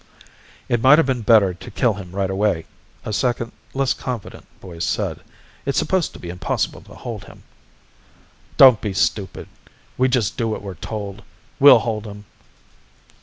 "It might have been better to kill him right away," a second, less confident voice said. "It's supposed to be impossible to hold him." "Don't be stupid. We just do what we're told. We'll hold him."